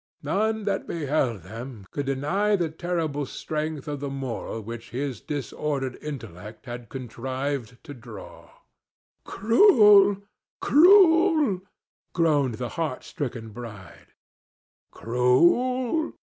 None that beheld them could deny the terrible strength of the moral which his disordered intellect had contrived to draw. "Cruel! cruel!" groaned the heartstricken bride. "Cruel?"